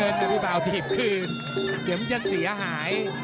เด็กมันจะเสียหาย